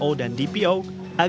agar tidak terjadi kemasalahan